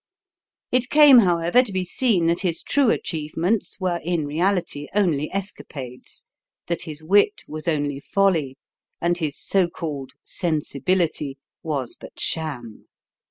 It came, however, to be seen that his true achievements were in reality only escapades, that his wit was only folly, and his so called "sensibility" was but sham.